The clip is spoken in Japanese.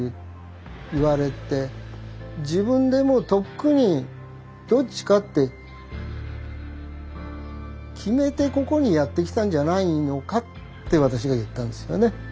自分でもうとっくにどっちかって決めてここにやって来たんじゃないのかって私が言ったんですよね。